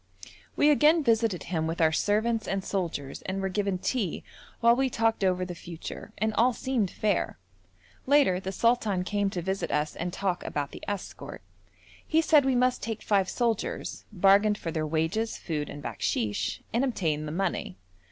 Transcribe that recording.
We again visited him with our servants and soldiers and were given tea while we talked over the future, and all seemed fair. Later the sultan came to visit us and talk about the escort. He said we must take five soldiers, bargained for their wages, food, and bakshish, and obtained the money.